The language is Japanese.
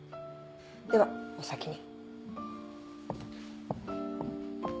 ではお先に。